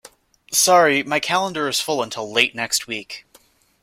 Sorry, my calendar is full until late next week.